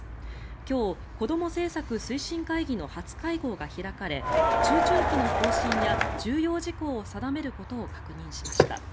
今日、こども政策推進会議の初会合が開かれ中長期の方針や重要事項を定めることを確認しました。